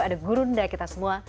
ada gurunda kita semua